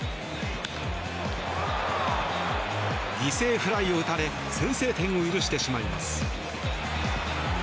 犠牲フライを打たれ先制点を許してしまいます。